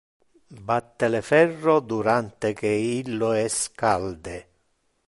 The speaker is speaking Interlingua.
Batte le ferro durante que illo es calde.